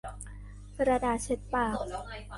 กระดาษเช็ดปาก